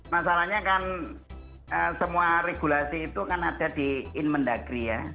masalahnya kan semua regulasi itu kan ada di inmen dagri ya